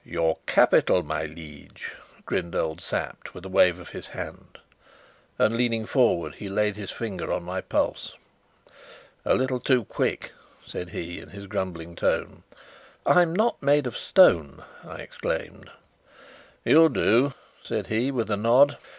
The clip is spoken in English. "Your capital, my liege," grinned old Sapt, with a wave of his hand, and, leaning forward, he laid his finger on my pulse. "A little too quick," said he, in his grumbling tone. "I'm not made of stone!" I exclaimed. "You'll do," said he, with a nod.